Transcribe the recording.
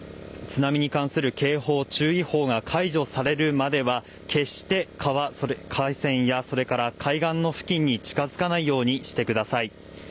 津波に関する警報、注意報が解除されるまでは決して河川や海岸の付近に近づかないようにしてください。